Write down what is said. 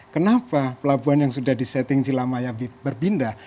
kenapa pelabuhan yang sudah disetting cilamaya berpindah